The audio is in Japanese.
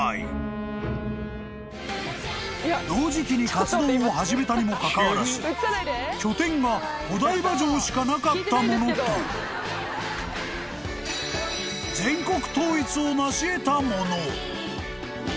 ［同時期に活動を始めたにもかかわらず拠点がお台場城しかなかった者と全国統一をなし得た者］